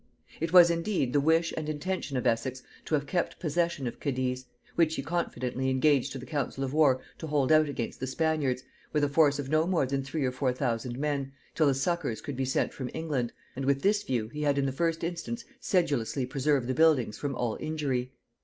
It was indeed the wish and intention of Essex to have kept possession of Cadiz; which he confidently engaged to the council of war to hold out against the Spaniards, with a force of no more than three or four thousand men, till succours could be sent from England; and with this view he had in the first instance sedulously preserved the buildings from all injury.